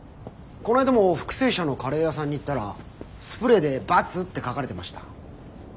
こないだも復生者のカレー屋さんに行ったらスプレーでバツって書かれてました。